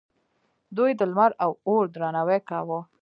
دوی د لمر او اور درناوی کاوه